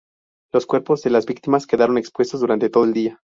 Los cuerpos de las víctimas quedaron expuestos durante todo el día.